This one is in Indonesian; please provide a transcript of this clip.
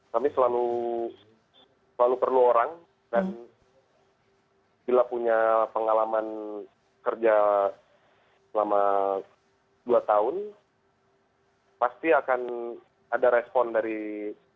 kami selalu perlu orang dan bila punya pengalaman kerja selama dua tahun pasti akan ada respon dari pemerintah